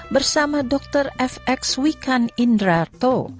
bersama dr f x wikan indrato